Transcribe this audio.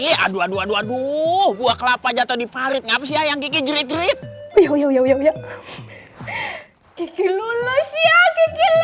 iya dua dua dua buah kelapa jatuh di parit ngapain sih ayang kiki jerit jerit